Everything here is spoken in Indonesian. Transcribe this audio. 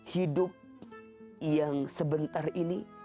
hidup yang sebentar ini